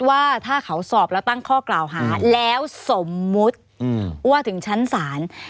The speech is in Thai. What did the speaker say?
ว่าถ้าเขาสอบแล้วตั้งข้อกล่าวหาแล้วสมมุติว่าถึงชั้นศาล